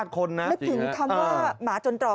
นึกถึงคำว่าหมาจนตรอก